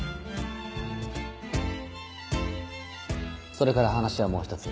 それから話はもう一つ。